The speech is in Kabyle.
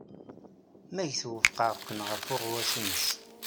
Meg twufeq Ken ɣef uɣawas-nnes.